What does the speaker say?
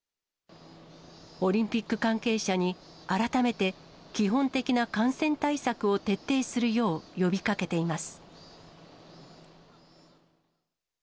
オリンピック関係者に改めて基本的な感染対策を徹底するよう呼びかけています。